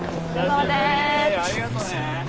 ありがとね。